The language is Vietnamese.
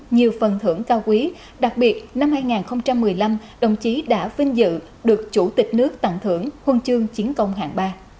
nhiều phần thưởng cao quý đặc biệt năm hai nghìn một mươi năm đồng chí đã vinh dự được chủ tịch nước tặng thưởng huân chương chiến công hạng ba